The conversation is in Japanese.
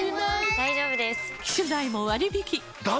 大丈夫です！